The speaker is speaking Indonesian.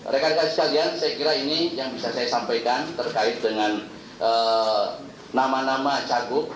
rekan rekan sekalian saya kira ini yang bisa saya sampaikan terkait dengan nama nama cagup